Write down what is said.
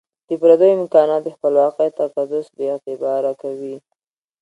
د پردیو امکانات د خپلواکۍ تقدس بي اعتباره کوي.